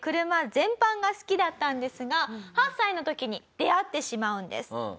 車全般が好きだったんですが８歳の時に出会ってしまうんです。